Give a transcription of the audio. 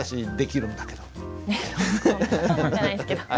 そんな事ないですけど。